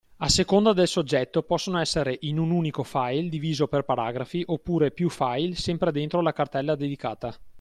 A seconda del soggetto possono essere in un unico file diviso per paragrafi oppure piu file sempre dentro la cartella dedicata.